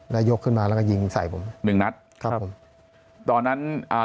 แล้วยกขึ้นมาแล้วก็ยิงใส่ผมหนึ่งนัดครับผมตอนนั้นอ่า